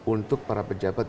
untuk para pejabat